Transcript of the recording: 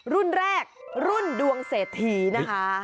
รุ่นแรกรุ่นดวงเศรษฐีนะคะ